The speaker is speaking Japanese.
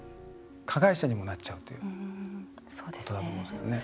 加害者にもなっちゃうということだと思うんですね。